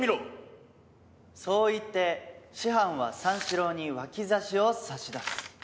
そう言って師範は三四郎に脇差しを差し出す。